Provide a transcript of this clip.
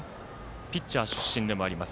ピッチャー出身でもあります